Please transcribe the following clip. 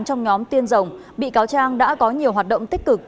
trong nhóm tiên rồng bị cáo trang đã có nhiều hoạt động tích cực